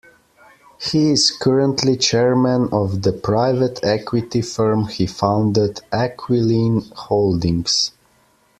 He is currently chairman of the private equity firm he founded, Aquiline Holdings.